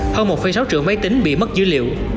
hơn một sáu triệu máy tính bị mất dữ liệu